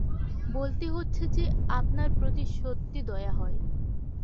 বলতে হচ্ছে যে, আপনার প্রতি সত্যি দয়া হয়।